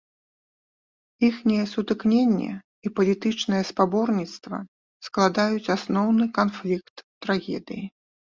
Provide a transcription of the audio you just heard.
Іхняе сутыкненне і палітычнае спаборніцтва складаюць асноўны канфлікт трагедыі.